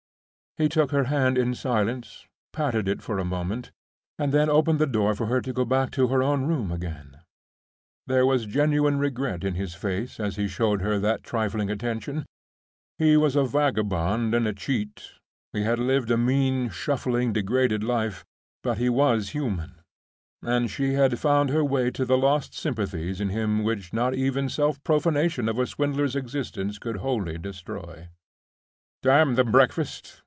He took her hand in silence, patted it for a moment, and then opened the door for her to go back to her own room again. There was genuine regret in his face as he showed her that trifling attention. He was a vagabond and a cheat; he had lived a mean, shuffling, degraded life, but he was human; and she had found her way to the lost sympathies in him which not even the self profanation of a swindler's existence could wholly destroy. "Damn the breakfast!"